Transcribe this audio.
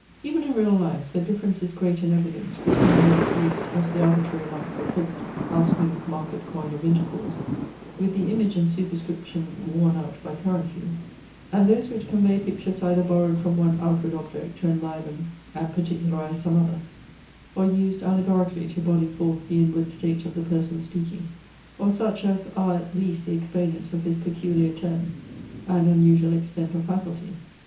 Even in real life, the difference is great and evident between words used as the arbitrary marks of thought, our smooth market coin of intercourse, with the image and superscription worn out by currency; and those which convey pictures either borrowed from one outward object to enliven and particularize some other; or used allegorically to body forth the inward state of the person speaking; or such as are at least the exponents of his peculiar turn and unusual extent of faculty.